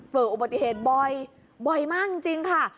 เกิดอุบัติเหตุบ่อยบ่อยมากจริงค่ะ